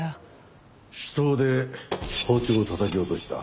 手刀で包丁をたたき落とした？